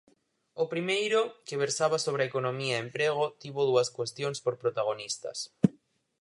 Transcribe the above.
O primeiro, que versaba sobre economía e emprego, tivo dúas cuestións por protagonistas.